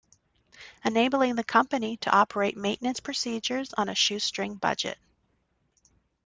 Enabling the company to operate maintenance procedures on a 'shoe string' budget.